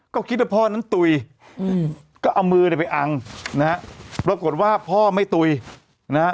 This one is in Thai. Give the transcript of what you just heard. ก็คิดว่าพ่อนั้นตุ๋ยอืมก็เอามือเนี่ยไปอังนะฮะปรากฏว่าพ่อไม่ตุ๋ยนะฮะ